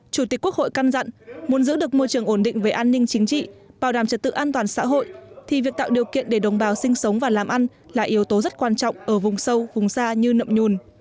chủ tịch quốc hội căn dặn muốn giữ được môi trường ổn định về an ninh chính trị bảo đảm trật tự an toàn xã hội thì việc tạo điều kiện để đồng bào sinh sống và làm ăn là yếu tố rất quan trọng ở vùng sâu vùng xa như nậm nhùn